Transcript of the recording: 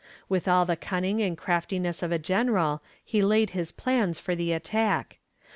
With all the cunning and craftiness of a general he laid his plans for the attack.